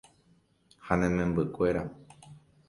Ha ne membykuéra.